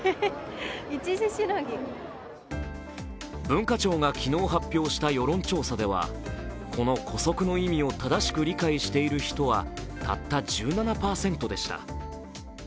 文化庁が昨日、発表した世論調査では、この「姑息」の意味を正しく理解している人は、たった１７％でした。